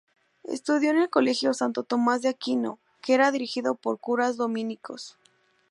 Estudió en el colegio Santo Tomás de Aquino, que era dirigido por curas dominicos.